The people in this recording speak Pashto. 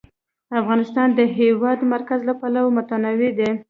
افغانستان د د هېواد مرکز له پلوه متنوع دی.